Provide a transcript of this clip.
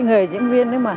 cái nghề diễn viên đấy mà